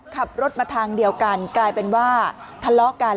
ขับรถมาทางเดียวกันกลายเป็นว่าทะเลาะกัน